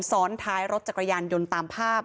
ซ้อนท้ายรถจักรยานยนต์ตามภาพ